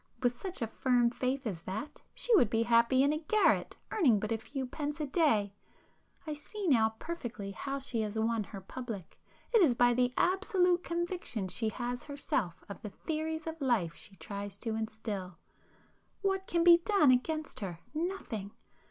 With such a firm faith as that, she would be happy in a garret earning but a few pence a day. I see now perfectly how she has won her public,—it is by the absolute conviction she has herself of the theories of life she tries to instil. What can be done against her? Nothing!